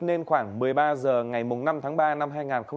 nên khoảng một mươi ba h ngày năm tháng ba năm hai nghìn hai mươi